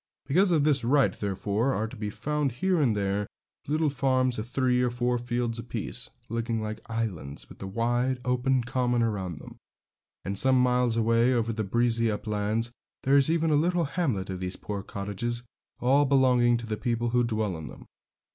Because of this right, therefore, are to be found here and there little farms of three or four fields a piece, looking like islands, with the wide, open common around them; and some miles away over the breezy uplands there is even a little hamlet of these poor cottages, all belonging to the people who dwell in them.